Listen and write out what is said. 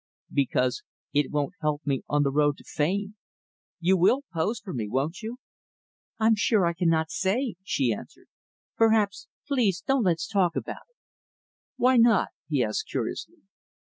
"Because it won't help me on the road to fame. You will pose for me, won't you?" "I'm sure I cannot say" she answered "perhaps please don't let's talk about it." "Why not?" he asked curiously.